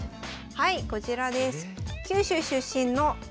はいこちらです。